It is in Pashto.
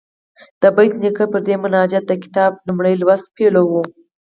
د بېټ نیکه پر دې مناجات د کتاب لومړی لوست پیلوو.